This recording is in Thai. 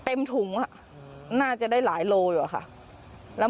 เต็มถุงน่าจะได้หลายโลยัวค่ะ